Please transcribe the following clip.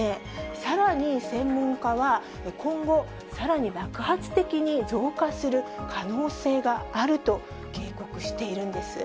さらに専門家は、今後、さらに爆発的に増加する可能性があると警告しているんです。